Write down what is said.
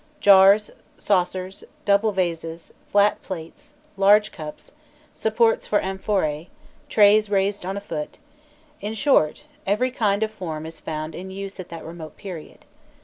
Jars, saucers, double vases, flat plates, large cups, supports for amphorae, trays raised on a foot in short, every kind of form is found in use at that remote period.